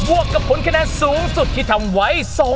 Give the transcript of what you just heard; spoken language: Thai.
วกกับผลคะแนนสูงสุดที่ทำไว้